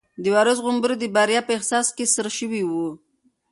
د وارث غومبوري د بریا په احساس کې سره شوي وو.